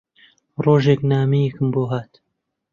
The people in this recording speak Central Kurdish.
ڕۆژێک نامەیەکم بۆ هات